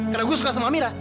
karena gue suka sama amira